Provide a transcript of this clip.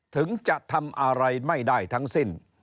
ถึงจะทำอะไรไม่ได้ทั้งสิ้น